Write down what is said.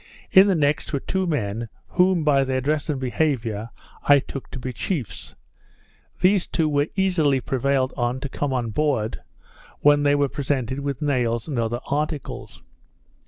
In the next, were two men, whom, by their dress and behaviour, I took to be chiefs. These two were easily prevailed on to come on board, when they were presented with nails and other articles.